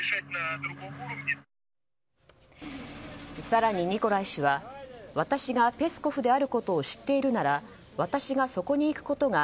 更にニコライ氏は私がペスコフであることを知っているなら私がそこに行くことが